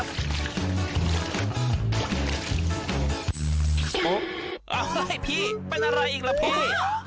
เฮ้ยพี่เป็นอะไรอีกล่ะพี่